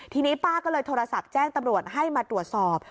ทีนี้ป้าก็เลยโทรศัพท์แจ้งตำรวจให้มาตรวจสอบ